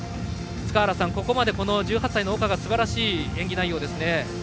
塚原さん、ここまで１８歳の岡がすばらしい演技内容ですね。